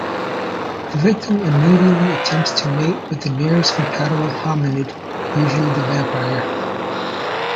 The victim immediately attempts to mate with the nearest compatible hominid, usually the vampire.